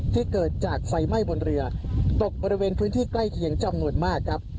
ที่เกิดจากไฟไหม้บนเรือตกบริเวณพื้นที่ใกล้เคียงจำนวนมากครับ